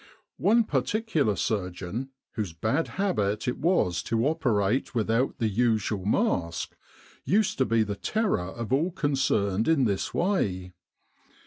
One particular surgeon, whose bad habit it was to operate without the usual mask, used to be the terror of all concerned in this way.